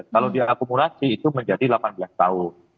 kalau diakumulasi itu menjadi delapan belas tahun